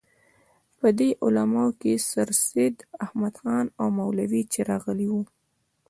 په دې علماوو کې سرسید احمد خان او مولوي چراغ علي وو.